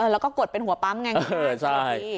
แล้วก็กดเป็นหัวปั๊มไง